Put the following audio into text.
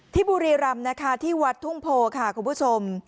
บุรีรำนะคะที่วัดทุ่งโพค่ะคุณผู้ชม